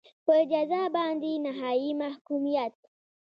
په جزا باندې نهایي محکومیت.